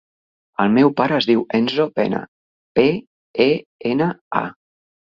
El meu pare es diu Enzo Pena: pe, e, ena, a.